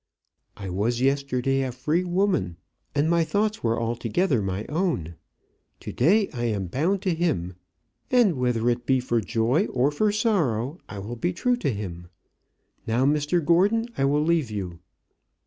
I was yesterday a free woman, and my thoughts were altogether my own. To day I am bound to him, and whether it be for joy or for sorrow, I will be true to him. Now, Mr Gordon, I will leave you."